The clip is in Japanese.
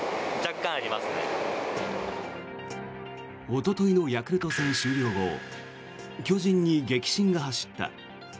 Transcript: おとといのヤクルト戦終了後巨人に激震が走った。